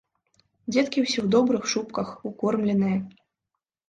Дзеткі ўсе ў добрых шубках, укормленыя.